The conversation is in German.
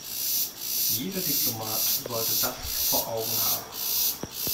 Jeder Diplomat sollte das vor Augen haben.